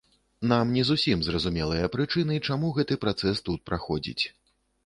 Нам не зусім зразумелыя прычыны, чаму гэты працэс тут праходзіць.